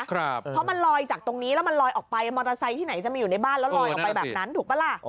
เพราะมันลอยจากตรงนี้แล้วมันลอยออกไปมอเตอร์ไซค์ที่ไหนจะมาอยู่ในบ้านแล้วลอยออกไปแบบนั้นถูกปะล่ะ